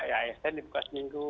asn dibuka seminggu